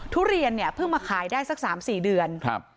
ทุเรียนเนี่ยเพิ่งมาขายได้สักสามสี่เดือนครับ